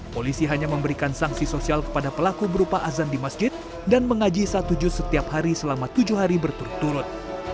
polisi hanya memberikan sanksi sosial kepada pelaku berupa azan di masjid dan mengaji satu juz setiap hari selama tujuh hari berturut turut